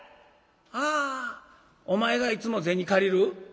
「あお前がいつも銭借りる？」。